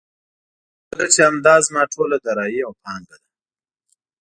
ځکه چې همدا زما ټوله دارايي او پانګه ده.